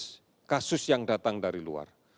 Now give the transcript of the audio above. tidak lagi harus datang dari luar